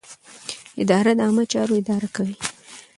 اداره د عامه چارو اداره کوي.